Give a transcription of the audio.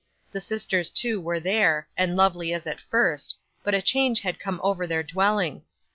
The sisters too were there, and lovely as at first, but a change had come over their dwelling.